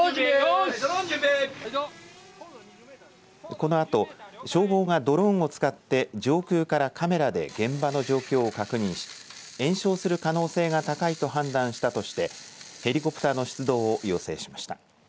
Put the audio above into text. このあと消防がドローンを使って上空からカメラで現場の状況を確認し延焼する可能性が高いと判断したとしてヘリコプターの出動を要請しました。